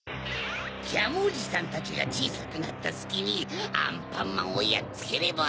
ジャムおじさんたちがちいさくなったすきにアンパンマンをやっつければ。